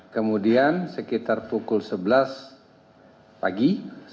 kemudian sekitar pukul sebelas pagi